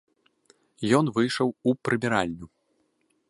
Ён выйшаў у прыбіральню.